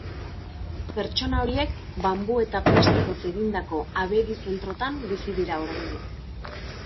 Pertsona horiek banbu eta plastikoz egindako abegi-zentrotan bizi dira oraindik.